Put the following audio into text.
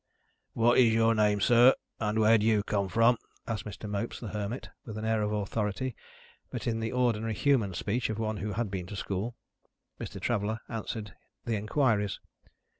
"What is your name, sir, and where do you come from?" asked Mr. Mopes the Hermit with an air of authority, but in the ordinary human speech of one who has been to school. Mr. Traveller answered the inquiries.